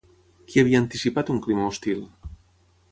Qui havia anticipat un clima hostil?